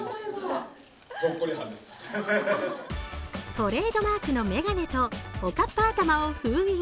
トレードマークの眼鏡とおかっぱ頭を封印。